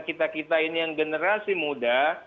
kita kita ini yang generasi muda